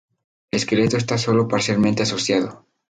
El esqueleto está sólo parcialmente asociado.